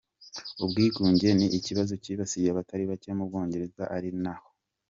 Ubwigunge ni ikibazo cyibasiye abatari bake mu Bwongereza ari naho .